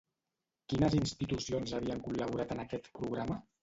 Quines institucions havien col·laborat en aquest programa?